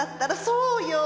そうよ！